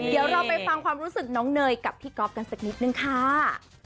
เดี๋ยวเราไปฟังความรู้สึกน้องเนยกับพี่ก๊อฟกันสักนิดนึงค่ะ